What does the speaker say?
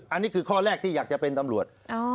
อันนี้คือข้อแรกที่อยากจะเป็นตำรวจ